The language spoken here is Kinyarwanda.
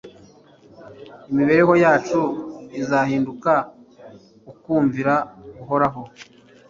imibereho yacu izahinduka ukumvira guhoraho.